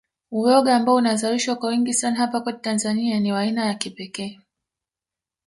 Uyoga ambao unazalishwa kwa wingi sana hapa kwetu Tanzania ni wa aina ya kipekee